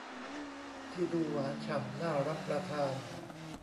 ที่ดูหวานฉ่ำน่ารับประทาน